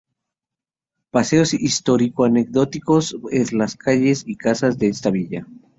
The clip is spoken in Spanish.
Paseos histórico-anecdóticos por las calles y casas de esta villa".